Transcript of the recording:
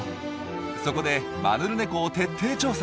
そこでマヌルネコを徹底調査。